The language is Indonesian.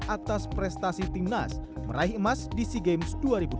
atas prestasi timnas meraih emas di sea games dua ribu dua puluh